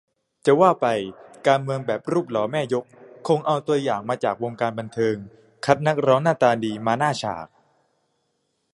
จะว่าไป การเมืองแบบรูปหล่อแม่ยก คงเอาตัวอย่างมาจากวงการบันเทิง คัดนักร้องหน้าตาดีมาหน้าฉาก